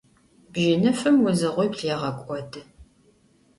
Bjınıfım vuzığuibl yêğek'odı.